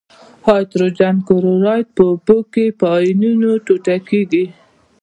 هایدروجن کلوراید په اوبو کې په آیونونو ټوټه کیږي.